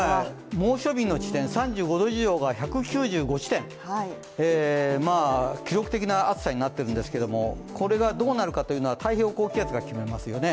猛暑日の地点、３５度以上の地点が１９５地点、記録的な暑さになっているんですけれどもこれがどうなるかというのは太平洋高気圧が決めますよね。